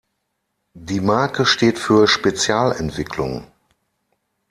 Die Marke steht für Spezial-Entwicklung.